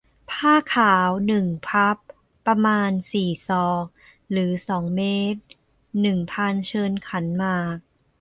ผ้าขาว หนึ่ง พับ ประมาณ สี่ ศอก หรือ สอง เมตร หนึ่ง พานเชิญขันหมาก